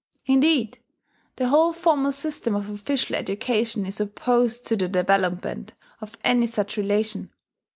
Indeed the whole formal system of official education is opposed to the development of any such relation.